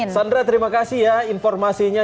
sandra terima kasih ya informasinya